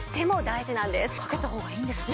かけた方がいいんですね。